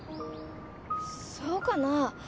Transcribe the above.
そうかな。